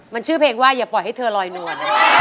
มันชื่อเพลงว่าอย่าปล่อยให้เธอลอยนวล